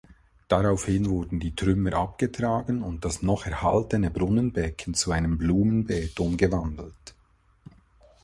Daraufhin wurden die Trümmer abgetragen und das noch erhaltene Brunnenbecken zu einem Blumenbeet umgewandelt.